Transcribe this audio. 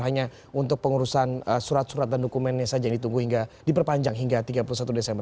hanya untuk pengurusan surat surat dan dokumennya saja yang ditunggu hingga diperpanjang hingga tiga puluh satu desember